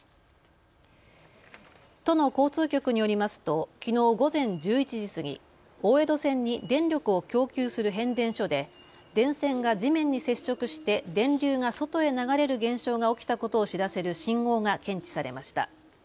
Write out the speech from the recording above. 都の交通局によりますときのう午前１１時過ぎ大江戸線に電力を供給する変電所で電線が地面に接触して電流が外へ流れる現象が起きたことを知らせる信号が検知されました。